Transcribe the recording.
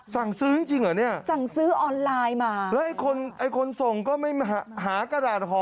ซังซื้อจริงอ่ะซังซื้อออนไลน์มาแล้วไอ้คนส่งก็ไม่หากระดาษหอ